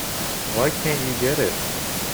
Why can't you get it?